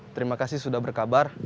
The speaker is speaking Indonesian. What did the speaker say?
terima kasih sudah berkabar